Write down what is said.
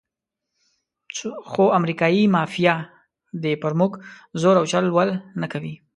خو امریکایي مافیا دې پر موږ زور او چل ول نه کوي.